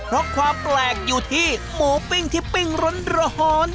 เพราะความแปลกอยู่ที่หมูปิ้งที่ปิ้งร้อน